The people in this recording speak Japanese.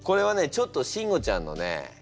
ちょっとシンゴちゃんのね